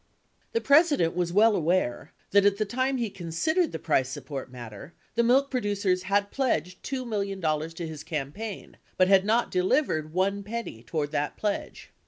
The President was well aware that at the time he considered the price support matter the milk producers had pledged $2 million to his campaign — but had not delivered one penny toward that, pledge.